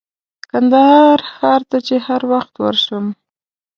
کندهار ښار ته چې هر وخت ورشم.